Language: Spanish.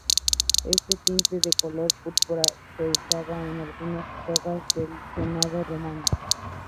Este tinte de color púrpura se usaba en algunas togas del Senado romano.